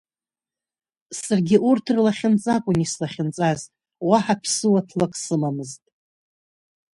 Саргьы урҭ рлахьынҵа акәын ислахьынҵаз, уаҳа ԥсуаҭлак сымамызт.